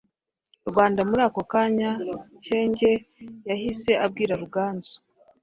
Rwanda Muri ako kanya Cyenge yahise abwira Ruganzu